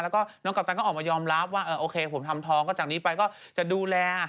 แล้วก็น้องกัปตันก็ออกมายอมรับว่าโอเคผมทำทองก็จากนี้ไปก็จะดูแล